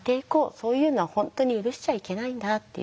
そういうのは本当に許しちゃいけないんだっていう。